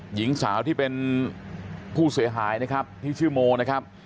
หญิงสาวที่เป็นผู้เสียหายนะครับที่ชื่อโมนะครับ